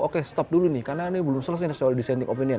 oke stop dulu nih karena ini belum selesai soal dissenting opinion